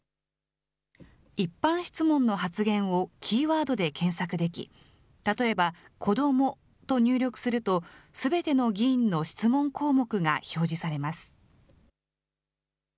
一般質問の発言をキーワードで検索でき、例えば子どもと入力すると、すべての議員の質問項目が表示されます。